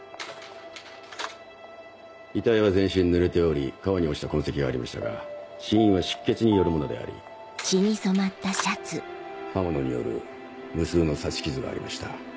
遺体は全身濡れており川に落ちた痕跡がありましたが死因は出血によるものであり刃物による無数の刺し傷がありました。